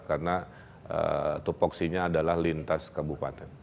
karena topoksinya adalah lintas kabupaten